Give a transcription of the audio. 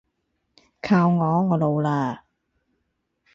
靠我，我老喇